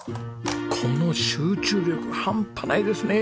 この集中力ハンパないですね。